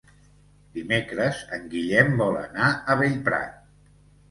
Dimecres en Guillem vol anar a Bellprat.